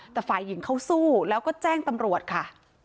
แต่ฝ่ายหญิงเขาสู้แล้วก็แจ้งตำรวจค่ะ